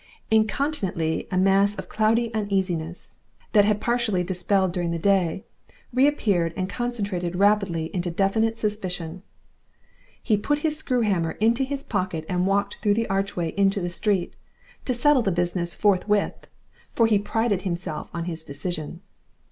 Incontinently a mass of cloudy uneasiness, that had been partly dispelled during the day, reappeared and concentrated rapidly into definite suspicion. He put his screw hammer into his pocket and walked through the archway into the street, to settle the business forthwith, for he prided himself on his decision.